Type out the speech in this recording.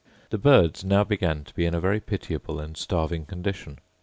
The birds now began to be in a very pitiable and starving condition.